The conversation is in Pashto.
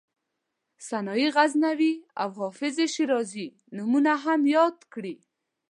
سنایي غزنوي او حافظ شیرازي نومونه هم یاد کړي.